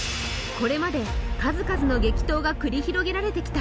これまで数々の激闘が繰り広げられてきた